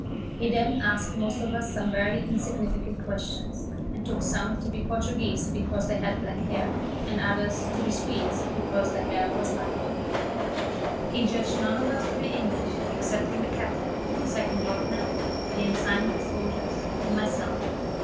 He then asked most of us some very insignificant questions, and took some to be Portuguese because they had black hair, and others to be Swedes because their hair was light. He judged none of us to be English excepting the captain, the second lieutenant, the ensign of the soldiers, and myself.